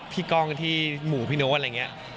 พี่ก้องที่หมูพี่โน้นอะไรอย่างนี้